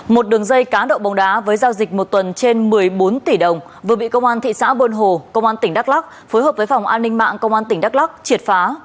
một đường dây cá độ bóng đá với giao dịch một tuần trên một mươi bốn tỷ đồng vừa bị công an thị xã buôn hồ công an tỉnh đắk lắc phối hợp với phòng an ninh mạng công an tỉnh đắk lắc triệt phá